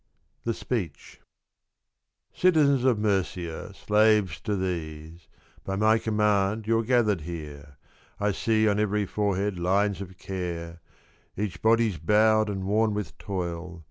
THE SPEECH. ' Citizens of Murcia, slaves to these, — By my command you 're gathered here. I see on every forehead lines of care ; Each body's bowed and worn with toil.